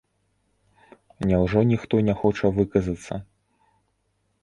Няўжо ніхто не хоча выказацца?